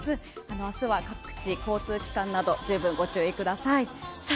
明日は各地、交通機関など十分にご注意ください。